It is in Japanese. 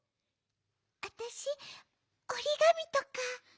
あたしおりがみとか。